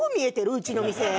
うちの店。